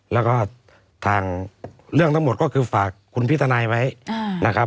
แล้วก็ทางเรื่องทั้งหมดก็คือฝากคุณพี่ทนายไว้นะครับ